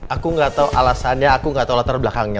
aku gak tau alasannya aku gak tau latar belakangnya